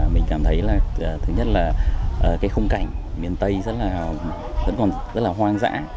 mình cảm thấy thứ nhất là cái khung cảnh miền tây rất là hoang dã